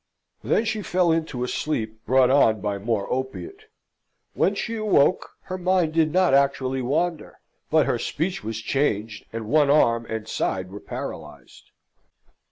Then she fell into a sleep, brought on by more opiate. When she awoke, her mind did not actually wander; but her speech was changed, and one arm and side were paralysed.